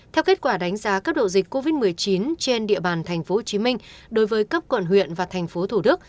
theo kết quả đánh giá cấp độ dịch covid một mươi chín trên địa bàn tp hcm đối với cấp quận huyện và tp tq